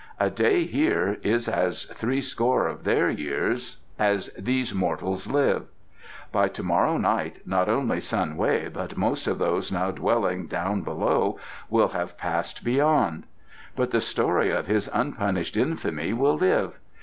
A day here is as threescore of their years as these mortals live. By to morrow night not only Sun Wei, but most of those now dwelling down below, will have Passed Beyond. But the story of his unpunished infamy will live.